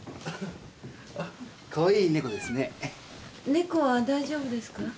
猫は大丈夫ですか？